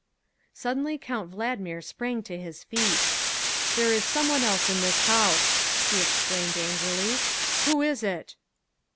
Suddenly Count Valdmir sprang to his feet. " There is someone else in this house!" he exclaimed angrily. " Who is it?"